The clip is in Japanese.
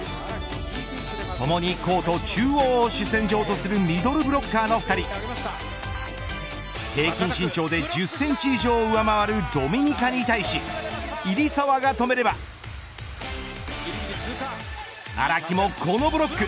ともにコート中央を主戦場とするミドルブロッカーの２人平均身長で１０センチ以上、上回るドミニカに対し入澤が止めれば荒木もこのブロック。